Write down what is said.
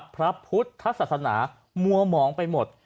พระพุทธทัศนามวมองไปหมด